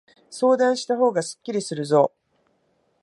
相談したほうがすっきりするぞ。